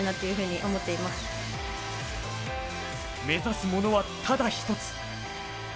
目指すものはただ一つ。